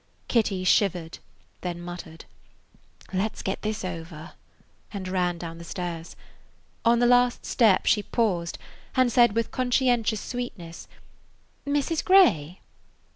Kitty shivered, then muttered: "Let 's get this over," and ran down the stairs. On the last step she paused and said with conscientious sweetness, "Mrs. Grey?"